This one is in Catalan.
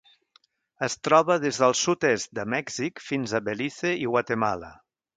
Es troba des del sud-est de Mèxic fins a Belize i Guatemala.